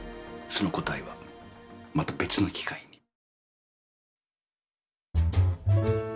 その答えはまた別の機会に。